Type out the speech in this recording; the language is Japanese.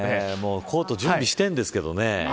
コート準備しているんですけどね。